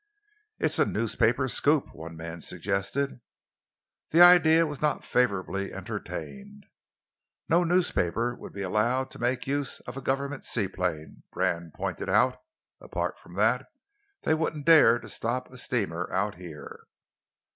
"It's a newspaper scoop," one man suggested. The idea was not favourably entertained. "No newspaper would be allowed to make use of a Government seaplane," Brand pointed out. "Apart from that, they wouldn't dare to stop a steamer out here."